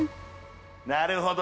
なるほど。